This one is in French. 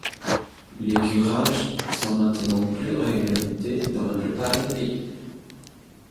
Les curages sont maintenant plus réglementés, dans la plupart des pays.